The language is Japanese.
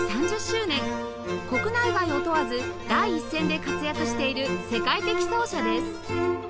国内外を問わず第一線で活躍している世界的奏者です